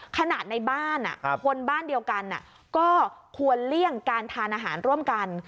ขนาดในบ้านคนบ้านเดียวกันก็ควรเลี่ยงการทานอาหารร่วมกัน